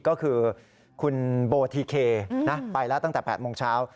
ก็คือคุณโบทีเคไปแล้วตั้งแต่๘โมงเช้า